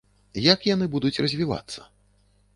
Як яны будуць развівацца?